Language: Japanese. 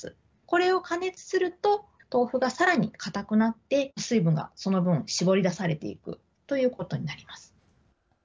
これを加熱すると豆腐がさらに固くなって水分がその分絞り出されていくということになります。